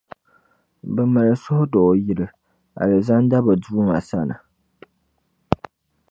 Bɛ mali suhudoo yili, Alizanda bɛ Duuma sani.